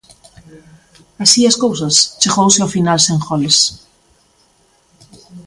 Así as cousas, chegouse ao final sen goles.